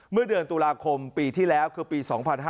เมื่อเดือนตุลาคมปีที่แล้วคือปี๒๕๕๙